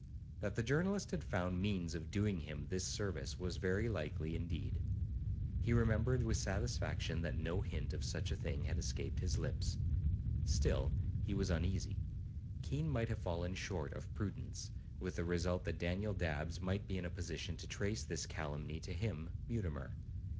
That the journalist had found means of doing him this service was very likely indeed. He remembered with satisfaction that no hint of such a thing had escaped his own lips. Still, he was uneasy. Keene might have fallen short of prudence, with the result that Daniel Dabbs might be in a position to trace this calumny to him, Mutimer.